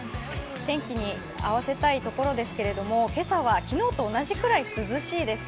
天気に合わせたいところですけれども今朝は昨日と同じくらい涼しいです。